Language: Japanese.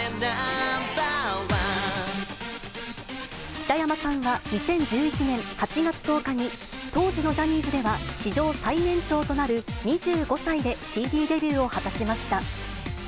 北山さんは、２０１１年８月１０日に、当時のジャニーズでは史上最年長となる２５歳でＣＤデビューを果たしました。